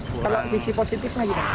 kalau visi positifnya juga